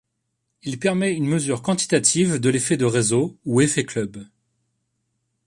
Il permet une mesure quantitative de l'effet de réseau ou effet club.